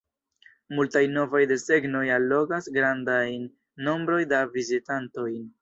Multaj novaj desegnoj allogas grandajn nombrojn da vizitantoj.